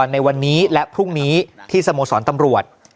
ในวันนี้และพรุ่งนี้ที่สโมสรตำรวจ